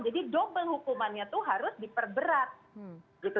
jadi double hukumannya itu harus diperberat